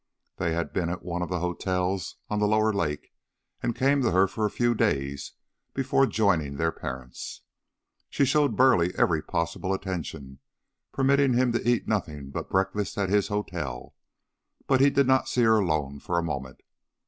They had been at one of the hotels on the lower lake, and came to her for a few days before joining their parents. She showed Burleigh every possible attention, permitting him to eat nothing but breakfast at his hotel; but he did not see her alone for a moment.